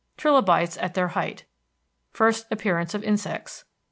Trilobites| || |at their height. First ||| |appearance of insects.